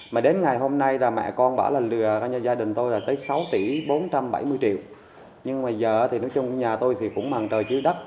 mà đến ngày hôm nay là mẹ con bảo là lừa gia đình tôi là tới sáu tỷ bốn trăm bảy mươi triệu nhưng mà giờ thì nói chung nhà tôi thì cũng màn trời chiếu đất